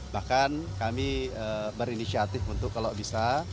bahkan kami berinisiatif untuk kalau bisa